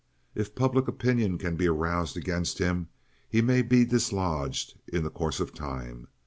If public opinion can be aroused against him he may be dislodged in the course of time.